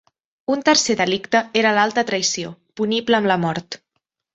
Un tercer delicte era l'alta traïció, punible amb la mort.